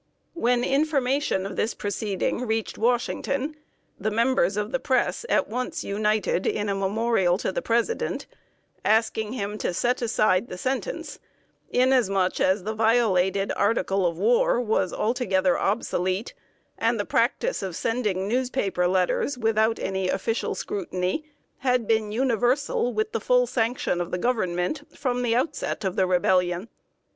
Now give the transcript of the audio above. When information of this proceeding reached Washington, the members of the press at once united in a memorial to the President, asking him to set aside the sentence, inasmuch as the violated Article of War was altogether obsolete, and the practice of sending newspaper letters, without any official scrutiny, had been universal, with the full sanction of the Government, from the outset of the Rebellion.